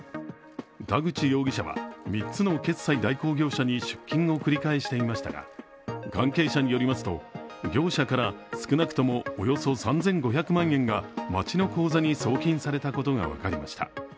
田口容疑者は３つの決済代行業者に出金を繰り返していましたが関係者によりますと業者から少なくともおよそ３５００万円が町の口座に送金されたことが分かりました。